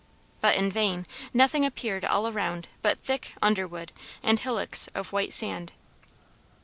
But in vain; nothing appeared all around but thick underwood and hillocks of white sand.